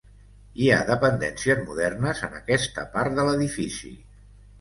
Hi ha dependències modernes en aquesta part de l'edifici.